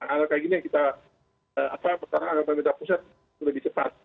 agar kayak gini kita agar pemerintah pusat lebih cepat